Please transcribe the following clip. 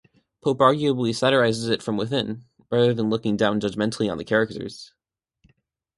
Pope arguably satirises it from within rather than looking down judgmentally on the characters.